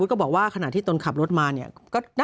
อีกผ่านเติมตีน